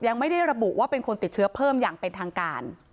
ยังไม่ได้ระบุว่าเป็นคนติดเชื้อเพิ่มอย่างเป็นทางการ